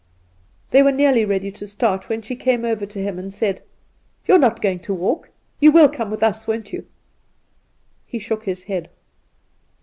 They were nearly ready to start when she came over to him, and said :' You are not going to walk. You will come with us, won't you ?' He shook his head.